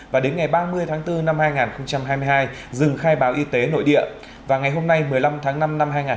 và đến ngày ba mươi tháng bốn năm hai nghìn hai mươi hai dừng khai báo y tế nội địa và ngày hôm nay một mươi năm tháng năm năm hai nghìn hai mươi ba